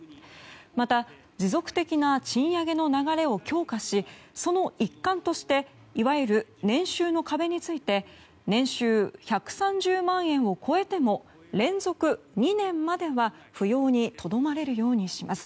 また、持続的な賃上げの流れを強化しその一環としていわゆる年収の壁について年収１３０万円を超えても連続２年までは扶養にとどまれるようにします。